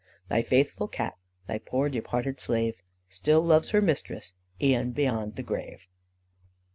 'Thy faithful Cat, thy poor departed slave, Still loves her mistress e'en beyond the grave.